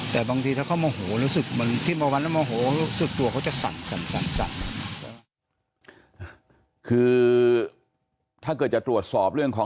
แต่บางทีที่เขาไปมาโหรอศึกตัวเขาก็จะสั่นคือถ้าเกิดจะตรวจสอบเรื่องของ